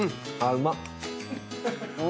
うまっ！